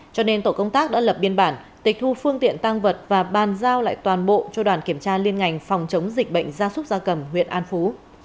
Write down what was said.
cho nên tổ công tác đã lập biên bản tịch thu phương tiện tăng vật và bàn giao lại toàn bộ cho đoàn kiểm tra liên ngành phòng chống dịch bệnh gia súc gia cầm huyện an phú